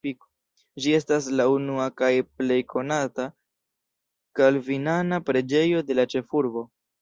Ĝi estas la unua kaj plej konata kalvinana preĝejo de la ĉefurbo.